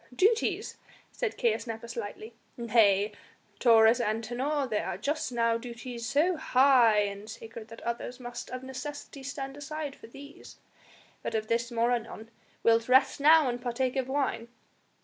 "Duties?" said Caius Nepos lightly; "nay, Taurus Antinor, there are just now duties so high and sacred that others must of necessity stand aside for these! But of this more anon. Wilt rest now and partake of wine?"